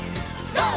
ＧＯ！